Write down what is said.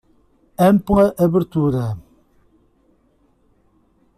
Ampla abertura